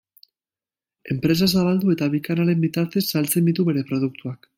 Enpresa zabaldu eta bi kanalen bitartez saltzen ditu bere produktuak.